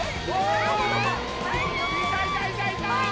いたいたいたいた！